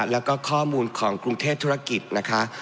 แล้วก็ข้อมูลของกรุงเทพธุรกิจนะคะ